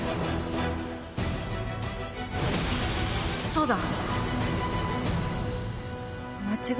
そうだ！